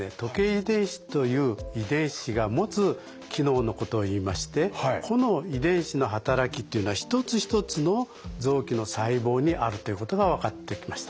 遺伝子という遺伝子が持つ機能のことをいいましてこの遺伝子の働きというのはひとつひとつの臓器の細胞にあるということが分かってきました。